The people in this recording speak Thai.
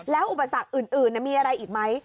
แล้วอุปสรรคอื่นมีอะไรอีกไหม